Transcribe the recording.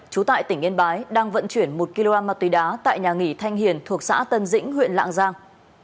trú tại tỉnh yên bái đang vận chuyển một kg ma túy đá tại nhà nghỉ thanh hiền thuộc xã tân dĩnh huyện lạng giang